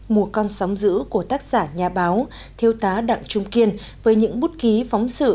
mùa con sóng giữ của tác giả nhà báo thiêu tá đặng trung kiên với những bút ký phóng sự